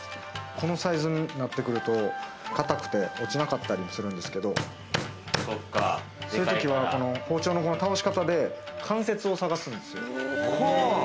このサイズになってくると、硬くて落ちなかったりするんですけれど、そういう時はこの包丁の倒し方で関節を探すんですよ。